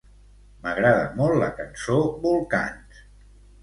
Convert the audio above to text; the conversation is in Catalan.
M'agrada molt la cançó "Volcans".